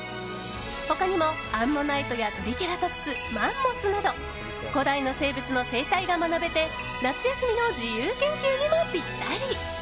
他にもアンモナイトやトリケラトプス、マンモスなど古代の生物の生態が学べて夏休みの自由研究にもぴったり。